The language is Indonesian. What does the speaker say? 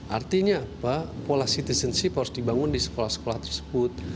artinya apa pola citizenship harus dibangun di sekolah sekolah tersebut